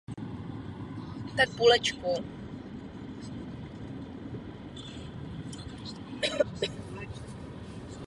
Jižně od zámku se rozprostírá přírodně krajinářský park.